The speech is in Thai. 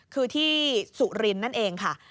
คือที่สุรินทร์นั่นเองค่ะ